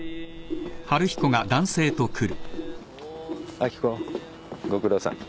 明子ご苦労さん。